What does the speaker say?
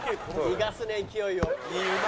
「逃がすね勢いを」